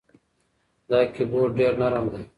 دا کیبورد ډېر نرم دی.